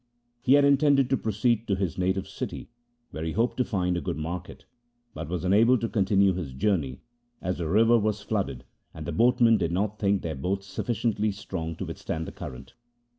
He had intended to proceed to his native city, where he hoped to find a good market, but was unable to continue his journey as the river was flooded, and the boatmen did not think their boats sufficiently strong to withstand the current.